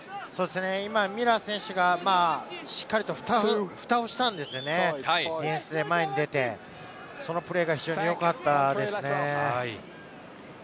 今、ミラー選手がしっかりと、ふたをしたんですよね、ディフェンスで前に出て、そのプレーが非常によかったですね。